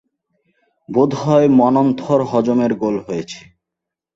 বোধ হয় মন্মথর হজমের গোল হয়েছে।